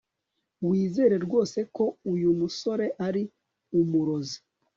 Wizera rwose ko uyu musore ari umurozi